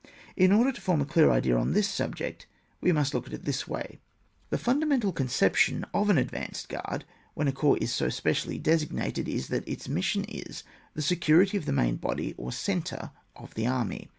In order to form a clear idea on this subject, we must look at it in this way. The fundamental conception of an advanced guard, when a corps is so specially designated, is that its mission is the security of the main body or centre of the army.